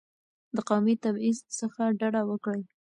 د قومي تبعیض څخه ډډه وکړئ.